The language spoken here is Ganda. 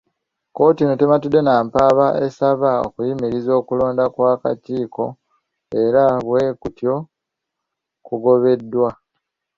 Kkooti eno tematidde nampaba esaba okuyimirizza okulonda kwa kakiiko era bwekutyo kugobeddwa.